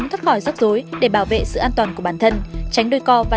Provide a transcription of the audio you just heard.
người ta tốt thì mình sẽ lại ở người ta